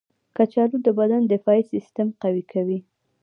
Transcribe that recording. کچالو د بدن دفاعي سیستم قوي کوي.